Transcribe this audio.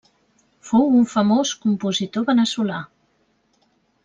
Fou un famós compositor veneçolà.